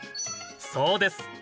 そうです